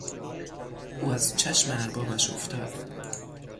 او از چشم اربابش افتاد.